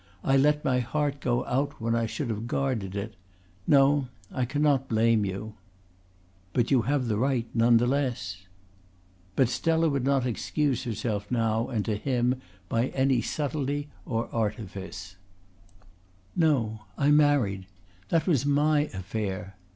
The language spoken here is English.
I let my heart go out when I should have guarded it. No, I cannot blame you." "You have the right none the less." But Stella would not excuse herself now and to him by any subtlety or artifice. "No: I married. That was my affair.